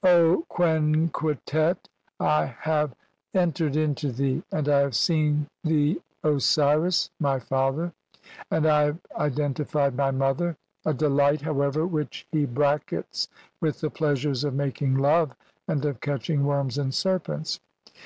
175), "O Qenqentet, I have en tered into thee, and I have seen the Osiris [my "father], and I have identified my mother," a delight, however, which he brackets with the pleasures of mak ing love and of catching worms and serpents